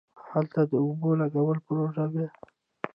هلته د اوبو لگولو پروژه وه.